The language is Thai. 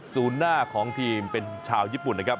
หน้าของทีมเป็นชาวญี่ปุ่นนะครับ